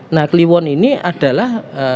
nah kliwon ini adalah